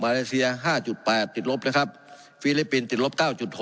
เลเซีย๕๘ติดลบนะครับฟิลิปปินส์ติดลบ๙๖